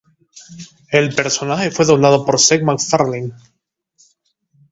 El personaje fue doblado por Seth MacFarlane.